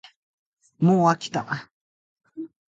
もうあきた